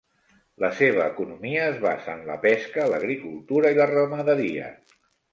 La seva economia es basa en la pesca, l'agricultura i la ramaderia.